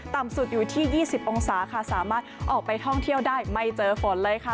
ต่ำสุดอยู่ที่๒๐องศาค่ะสามารถออกไปท่องเที่ยวได้ไม่เจอฝนเลยค่ะ